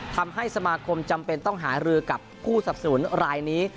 ทำให้สมาคมจำเป็นต้องหารือกับผู้สับสนุนรายนี้